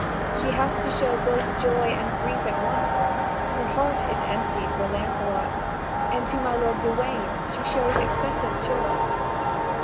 She has to show both joy and grief at once: her heart is empty for Lancelot, and to my lord Gawain she shows excessive joy.